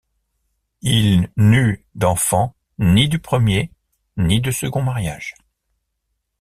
Il n'eut d'enfant ni du premier ni du second mariage.